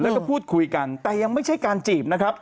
แล้วก็พูดคุยกันแต่ยังไม่ใช่การจีบนะครับ